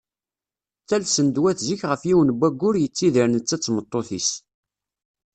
Ttalsen-d wat zik ɣef yiwen n waggur yettidir netta d tmeṭṭut-is.